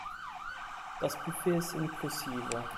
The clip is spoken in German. Das Buffet ist inklusive.